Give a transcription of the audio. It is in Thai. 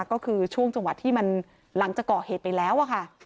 ก็คือช่วงจังหวะที่มันหลังจากก่อเหตุไปแล้วอะค่ะ